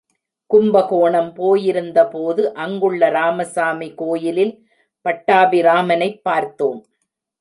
கும்பகோணம் போயிருந்தபோது அங்குள்ள ராமசாமி கோயிலில் பட்டாபிராமனைப் பார்த்தோம்.